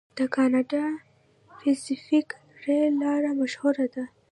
د کاناډا پیسفیک ریل لار مشهوره ده.